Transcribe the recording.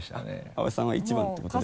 阿部さんは１番っていうことで。